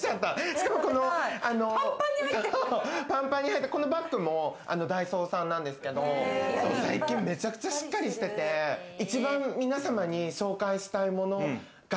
しかも、このパンパンに入ったこのバッグもダイソーさんなんですけれど、最近めちゃくちゃしっかりしてて、一番、皆さまに紹介したいもの。